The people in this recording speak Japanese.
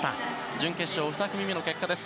準決勝２組目の結果です。